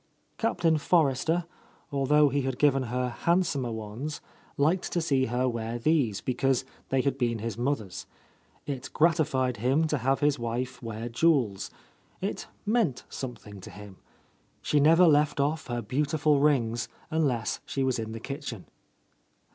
Captain Forrester, although he had given her handsomer ones, liked to see her wear these, be cause they had been his mother's. It gratified him to have his wife wear jewels; it meant some thing to him. She never left off her beautiful rings unless she was in the kitchen.